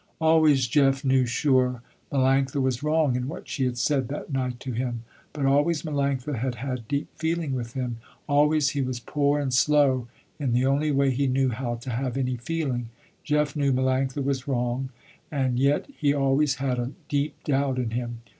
Always Jeff knew, sure, Melanctha was wrong in what she had said that night to him, but always Melanctha had had deep feeling with him, always he was poor and slow in the only way he knew how to have any feeling. Jeff knew Melanctha was wrong, and yet he always had a deep doubt in him.